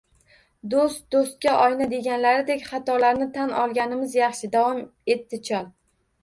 Do`st-do`stga oyna, deganlaridek, xatolarni tan olganimiz yaxshi, davom etdi chol